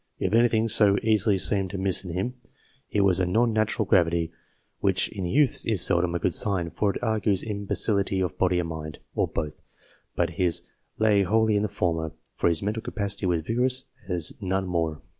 ... If anything so early seemed amiss in him, it was a non natural gravity, which in youths is seldom a good sign, for it argues imbecility of body and mind, or both; but his lay wholly in the former, for his mental capacity was vigorous, as none more."